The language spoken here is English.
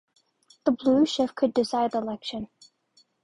The blue shift could decide the election.